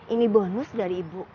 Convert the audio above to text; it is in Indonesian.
ini bonus dari ibu